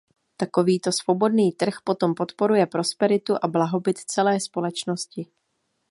Takovýto svobodný trh potom podporuje prosperitu a blahobyt celé společnosti.